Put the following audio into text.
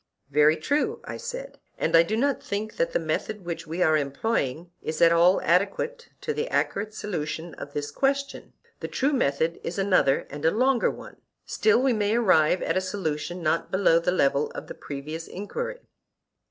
Very true, I said; and I do not think that the method which we are employing is at all adequate to the accurate solution of this question; the true method is another and a longer one. Still we may arrive at a solution not below the level of the previous enquiry.